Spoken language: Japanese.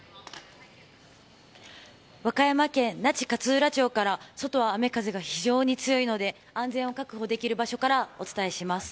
和歌山県那智勝浦町から外は雨風が強いので安全を確保できる場所からお伝えします。